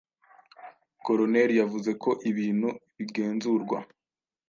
Koloneli yavuze ko ibintu bigenzurwa.